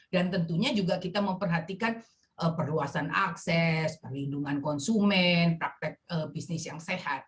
dan tentunya juga kita memperhatikan perluasan akses perlindungan konsumen praktek bisnis yang sehat